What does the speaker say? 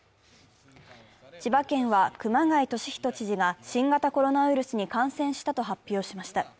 千葉県は熊谷俊人知事が新型コロナウイルスに感染したと発表しました。